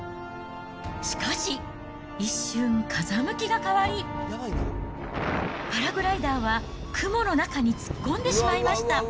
しかし、一瞬風向きが変わり、パラグライダーは、雲の中に突っ込んでしまいました。